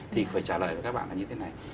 thì phải trả lời với các bạn là như thế này